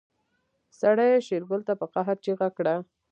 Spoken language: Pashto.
سړي شېرګل ته په قهر چيغه کړه.